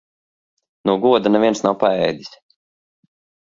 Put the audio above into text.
No goda neviens nav paēdis.